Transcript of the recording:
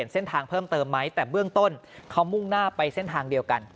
เส้นทางเพิ่มเติมไหมแต่เบื้องต้นเขามุ่งหน้าไปเส้นทางเดียวกัน